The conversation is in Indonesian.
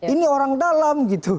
ini orang dalam gitu